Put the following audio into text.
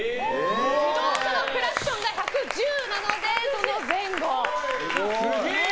自動車のクラクションが１１０なのでその前後です。